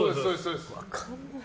分かんない。